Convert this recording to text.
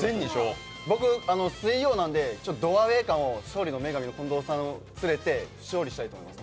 どアウェー感じを勝利の女神の近藤さんを連れて勝利したいと思います。